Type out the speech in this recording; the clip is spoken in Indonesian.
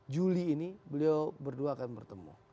juli ini beliau berdua akan bertemu